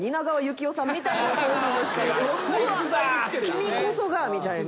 「君こそが」みたいな。